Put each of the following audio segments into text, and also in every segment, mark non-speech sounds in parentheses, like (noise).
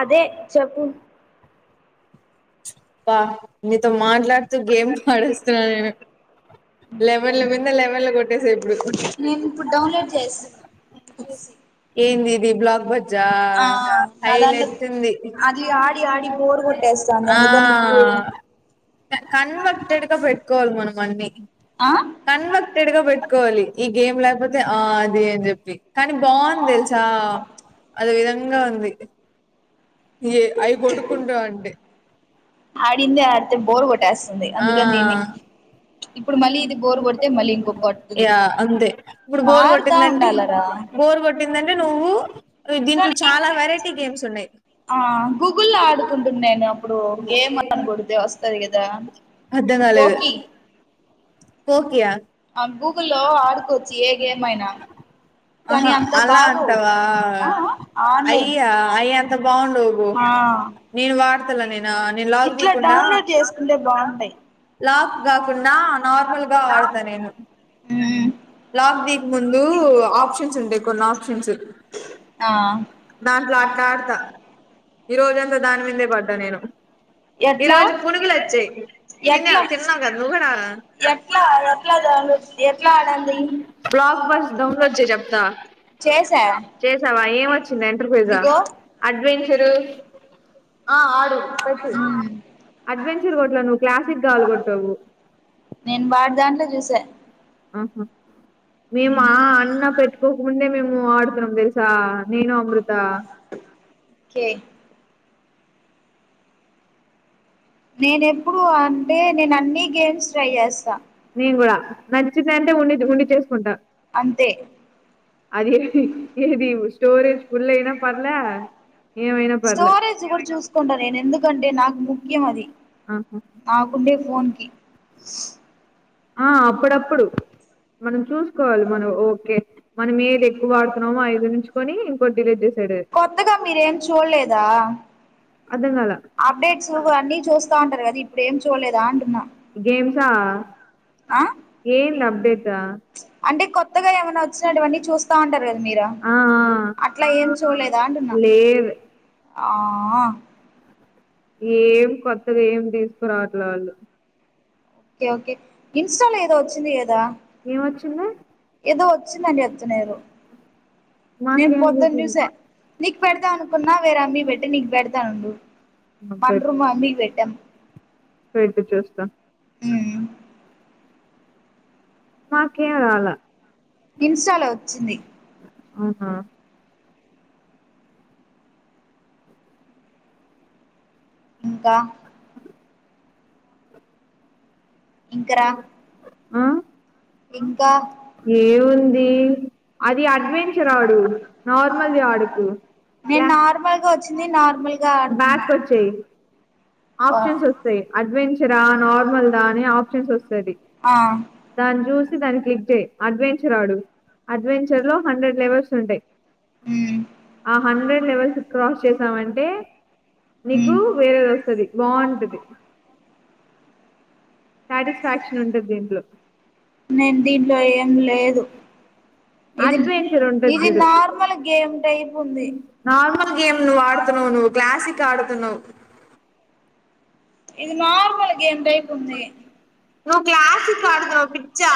అదే చెప్పు బా నీతో మాట్లాడుతూ గేమ్ పాడేస్తున్న నేను లెవెల్ల మీంద లేవల్ల గొట్ ట్టేసేయ్ ఇప్పుడు ఏంది ఇది బ్లాక్ బ జా హైలైట్టు ఉంది ఆ ఆ కన్ను బట్టడగా పెట్టుకోవాలి మనం అన్ని కన్క్ తిడగా పెట్టుకోవాలి ఈ గేమ్ లేకపోతే ఆ అది అని చెప్పి కానీ బాగుంది తెలుసా అదోవిధంగా ఉంది ఆడిందే ఆడితే బోర్ గొట్టెస్ అందుకని దీన్ని ఇప్పుడు మళ్ళీ ఇది బోరు కొడితే మళ్ళీ ఇంకొక కొడుతుది మారుతా ఉండాలరా బోర్ కొట్టిందంటే నువ్వు దీంట్లో చాలా వెరైటీ గేమ్స్ ఉన్నాయి ఆ గూగుల్లో ఆడుకుంటున్నా నేను అప్పుడు గేమ్ అను కొడితే వస్తది కదా అద్దగలేదు పోకియా ఆ గూగుల్లో ఆడుకోవచ్చు ఏ గేమైనా ఆహా అలా అంటవా అయ్యా అయి అంత బాగుండవ్ పూ నేను వాడతల నేనా నేను లాక్ తీకుండా లాక్ కాకుండా నార్మల్ గా ఆడతా నేను లాక్ తీక్ ముందు ఆప్షన్స్ ఉంటాయి కొన్ని ఆప్షన్స్ నాకు (unintelligible) ఆడతా ఈ రోజంతా దాని మీందే పడ్డా నేను ఈరోజు పునుగులు వచ్చాయి తిన్య తిన్నావ్ కాద నువ్వు కూడా బ్లా ఆ ఫస్ట్ డౌన్లోడ్ చెయ్ చెప్తా చేసావా ఏం వచ్ ఏంది ఎంటర్ప్రైజ అడ్వెంచరు ఆ ఆడు పెట్ అడ్వెంచర్ కొట్లా నువ్వు క్లాసిక్గావలు కొట్టావు నేను వాడి దాంట్లో చూసా ఆహా మేము ఆ అన్న పెట్టుకోకముందే మేము ఆడుతున్నాం తెలుసా నేను అమృత కే నేనెప్పుడు అంటే నేను అన్ని గేమ్స్ ట్రై చేస్తా కూడా నచ్చిందంటే ఉండి ఉండి చేసుకుంటా అది ఏ ఏది స్టోరేజ్ పుల్నా పర్లే ఏ స్టోరేజ్ కూడా చూసుకుంటా నేను ఎందుకంటే నాకు ముఖ్యం అది నాకుండే ఫోన్ కి ఆ అప్పుడప్పుడు మనం చూసుకోవాలి మనం ఓకే మనం ఏది ఎక్కువ వాడుతున్నామో ఐదుంచుకొని ఇంకోటి డిలీట్ కొత్తగా మీరేం చూలేదా అప్డేట్స్ అన్ని చూస్తా ఉంటారు కదా ఇప్పుడు ఏం చూలేదా అంటున్నా గేమ్సా ఏంద అప్డేట కొత్తగా ఏమన్నా వచ్చినటువంటి చూస్తా ఉంటారు కదా మీరు అట్లా ఏం చూలేదా అంటున్న ఆ అ ఏం కొత్తగా ఏం తీసుకురాట్ల ఆళ్ళు ఓకే ఓకే ఇన్స్టాలో ఏదో వచ్చింది కదా ఏం వచ్చింది ఏదో వచ్చిందండి అత్తనేరు నేను పొద్దు జూస నీకు పెడదా అనుకున్నా వేరమీ పెట్టి నీకు పెడదానుండు మండ్రు మమ్మీ కి వెటం పెడితే చూస్తా ఊ నాకేం రాల ఇన్స్టాలో వచ్చింది ఆహా ఇంకా ఇంకరా ఏముంది అది అడ్వెంచర్ ఆడు నార్మల్ది ఆడుకు లా వచ్చింది నార్మల్ గా ఆడుతున్నా ఆప్షన్స్ వస్తయి అడ్వెంచరా నార్మల్ దా అనే ఆప్షన్స్ వస్తది దాన్ని చూసి దాన్ని క్లిక్ చేయ్ అడ్వెంచర్ ఆడు అడ్వెంచర్ లో హండ్రెడ్ లెవెల్స్ ఉంటాయి ఆ హండ్రెడ్ లెవెల్స్ క్రాస్ చేసామంటే నీకు వేరేది వస్తది బాగుంటది సాటిస్ఫాక్షన్ ఉంటది దీంట్లో అడ్వెంచర్ ఉంటది చుడు నార్మల్ గేమ్ నువ్వు ఆడుతున్నవు నువ్ క్లాసీక్ ఆడుతునవ్ అ ఇది నార్మల్ గేమ్ టైప్ ఉంది నువ్ క్లాసీక్ ఆడుకో పిచ్చా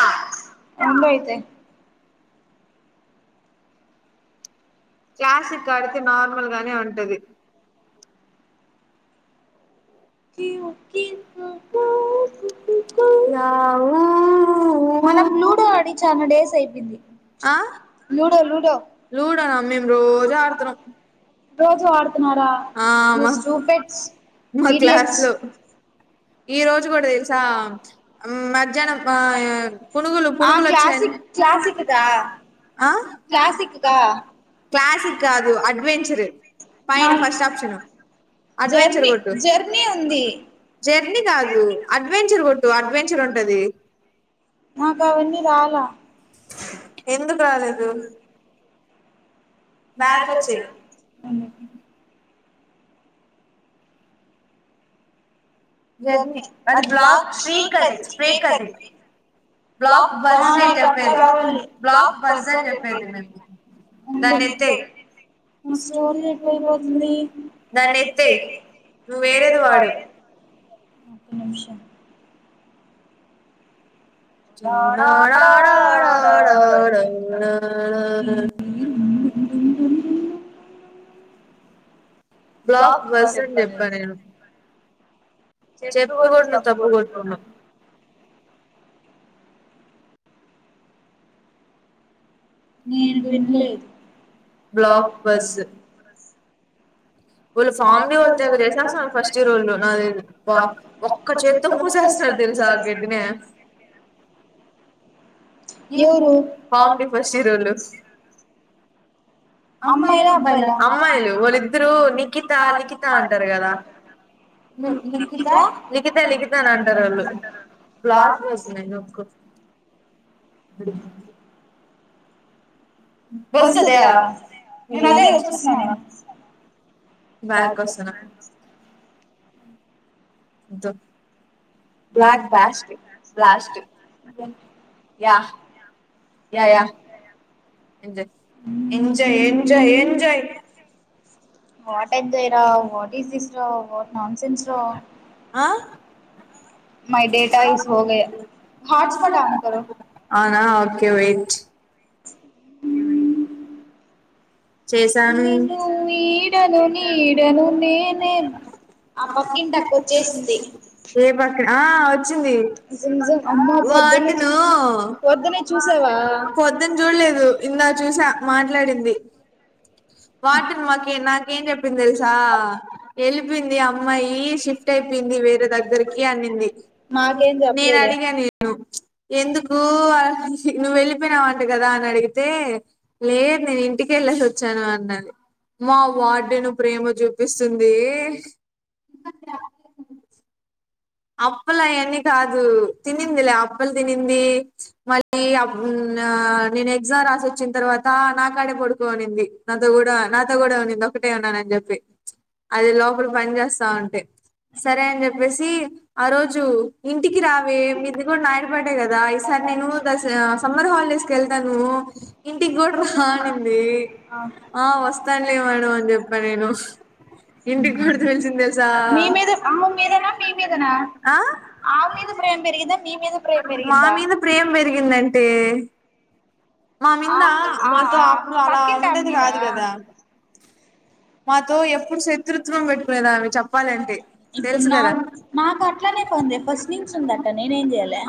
క్లాసిక్ ఆడుతే నార్మల్గానే ఉంటది కి ఒకే యాహూ ఊ ఆ లూడోన మేం రోజడుతున్నం ఆ మ మొత్ క్లాస్లో ఈ రోజు కూడా తెలుసా మధ్యాహ్నం ఆయ పునుగులు పునుగులు వచ్చాయ్ ఆ క్లాసిక్ కాదు అడ్వెన్చరు పైన ఫస్ట్ ఆప్షను జర్నీ జర్నీ ఉంది జర్నీ కాదు అడ్వెంచర్ కొట్టు అడ్వెంచర్ ఉంటది ఎందుకు రాలేదు బాకోచేయి జర్నీ వంద్ బ్లాక్ స్ట్రీక్ కది స్ట్రీక్ కది బ్లాక్ బస్ బ్లాక్ బస్ అంచెప్పేది ధనేతై నాకు స్టోరేజ్ ఎక్వయిపోతుంది నువ్వు వేరేది వాడు నిమిషం చూడడడడ. బ్లాక్ బజ్ అని చెప్పా నేను చెప్పి కూడా నువ్వు తప్పు కొట్టుకున్నావ్ నేను విన్లే బ్లాక్ బస్ ఫమిలీ వసస్త ఫస్ట్ ఒక్క చేత్తో మోసేసి (unintelligible) ఎవరు అ అమ్మయిలా అబ్బాయిల లిఖితా బ్లాక్ బజ్ నీ నొక్కు (unintelligible) బస్ అదే నేనదే చూస్తున్నాను బ్యాకోస్తున్న ద బ్లాక్ బ్లాస్ blast yeah yeah yeah enjoy enjoy enjoy enjoy what enjoy రా వాట్ ఈస్స్ రా వాట్ నాన్సెన్స్ రా అ ఆ ఓకే వెయిట్ ఉ నిను వీడను నీడను నేనే ఆ పక్కింటక్క ఓచ్చేసింది ఆ ఓచ్చింది వార్డెన్ పొదున్చూడలేదు ఇందా చూసా మాట్లాడింది వార్డెన్ మాకేం నాకేం చెప్పంది తెలుసా పింది అమ్మాయి షిఫ్ట్ అయిపోయింది వేరే దగ్గరికి అన్నింది నేను అడిగాను ఏవో ఎందుకు ఆ నువ్వు వెళ్ళిపోయినావంట కదా అని అడిగితే లేదు నేను ఇంటికే ఏలలోవచను అన్నది మా వార్డను ప్రేమ చూపిస్తుంది అ అప్పలు అయన్నీ కాదు తినిందిలే అప్పలు తినింది మళ్ళీ ఆమ్ ఆ నేను ఎగ్జామ్ రాసి వచ్చిన తర్వాత నాకాడే పడుకోనింది నాతో కూడా నాతో కూడా అనింది ఒకటే ఉన్నానని చెప్పి అది లోపల పని చేస్తా అంటే సరే అని చెప్పేసి ఆ రోజు ఇం ఇంటికి రావే మీది కూడా నాయనపాడే కదా ఈసారి నేను ద సమ్మర్ హాలిడేస్కైళ్తాను ఇంటి కూడా రానింది ఆ వస్తానులే మేడం అని చెప్ప నేను మీ మీద అమ్మ మీదనా మీ మీద నా ఆ మీద ప్రేమ పెరిగిందా మీ మీద ప్రేమ పెరిగిందా ఆ ఆ పకింట అమ్దా మాతో ఎప్పుడు శత్రుత్వం పెట్టుకునేదామె చెప్పాలంటే తెలుసు కదా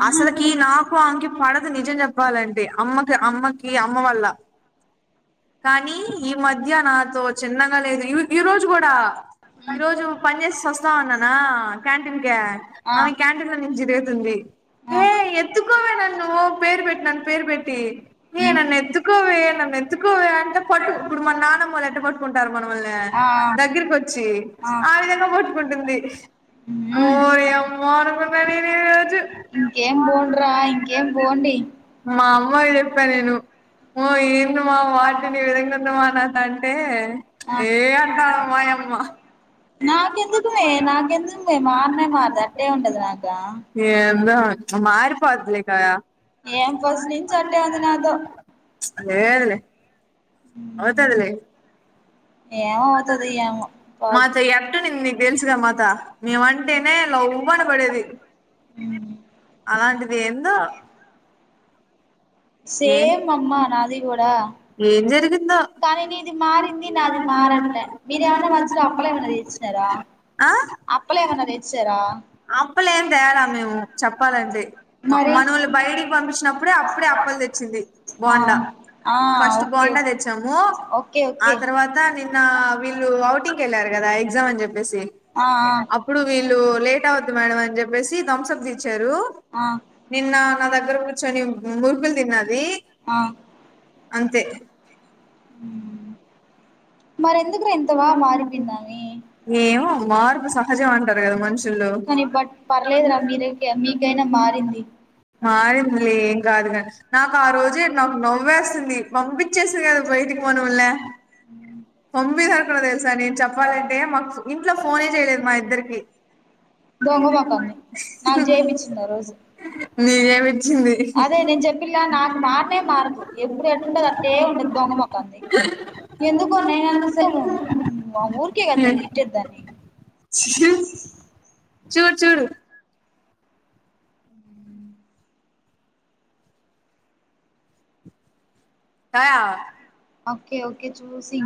అసలుకి ఈ నాకు అకే పడ అది నిజం చెప్పాలంటే అమ్మకి అమ్మకి అమ్మ వల్ల కానీ ఈ మధ్య నాతో చిన్నగా లేదు ఈ ఈ రోజు కూడా ఈ రోజు పని చేసి వస్తాన్నానా క్యాంటీన్ క ఆమె క్యాంటీన్ లో నుంచిిరిగ ంది ఏ ఎత్తుకోవే నన్ను ఓ పేరు పెట్టి నన్ను పేరు పెట్టి ఏ నన్ను ఎత్తు ఎక్కువేం ఎతుకువే అంటే కొట్టు ఇప్పుడు మాన నానమ్మలు అంట కొట్టుకుంటారు మన వల్ని దగ్గరక వచ్చి ఆ విధంగా కొట్టుకుంటుంది మఊరి అమ్మా అకుంద నేనేజు మా అమ్మ చెప్పా నేను ఓ ఏం మా వాటిని విదంగందమా నా త అంటే ఏ అంటాను మాయమ్మ నాకెందుకుమే నాకెందుకు మే మారనే మారదు అట్టే ఉండదు నాక మారిపోదులేకాయ అదే అవుతదలే ఏతుందిము మాత ఎట్టు నింది నీకు తెలుసు క మాత మేమంటేనే లా ఉవబన పడేది ఉ అలాంటిది ఏంద సేమ్ అమ్మా నాదిగడా కానీ నీ ఇది మారింది నాది మారట్లే మీరేమన్నా మధ్యలో అప్పలే ఏమైన్నా తెసినారా అప్పలా ఎమనా రచ్చార అప్పలే ఏం తేయాలా మేము చెప్పాలంటే మనలు బయటికి పంపించినప్పుడే అప్పుడే అప్పలు తెచ్చ వచ్చి బాండా ఫస్ట్ బాండా తెచ్చాము ఆ తర్వాత నిన్న వీళ్ళు అఔటింగ్ వెళ్ళారు కదా ఎగ్జామ్ అని చెప్ప అప్పుడు వీళ్ళు లేట్ అవద్దు మేడం అని చెప్పేసి ధ్వంస చ్చారు నిన్న నా దగ్గర కూర్చొని మురుగులు తిన్నది ఆ అంతే ఏమో మార్పు సహజం అంటారు కదా మనుషు చలో మారిందిలే ఏం కాదుగా నాకు ఆ రోజే నాకు నవ్వేస్తుంది పంపించేసింది కదా బయటికి మనవుళ్లే పొమ్మి సరుకున్న తెలుసా నేను చెప్పాలంటే మాకు ఇంట్లో ఫోనే చేయలేదు మా ఇద్దరికి దొంగమక్కన్ని నాకు చేయిపించింది రోజు వచ్చింది ఇ ఎందుకు నను అంత స ఊరికే కాదు నను తిట్టదిద్దానేే చూడు చూడు ట ఓకే ఓకే చూసి